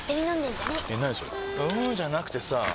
んーじゃなくてさぁ